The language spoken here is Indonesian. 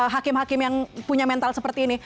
hakim hakim yang punya mental seperti ini